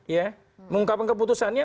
ya mengungkapkan keputusannya